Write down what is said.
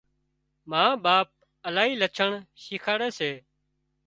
ما ٻاپ الاهي لڇڻ شيکاڙي سي